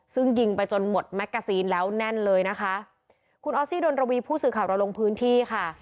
ซึ่งยิงไปจนหมดแมกกาซีนแล้วแน่นเลยนะคะคุณออสซี่ดนรวีผู้สื่อข่าวเราลงพื้นที่ค่ะ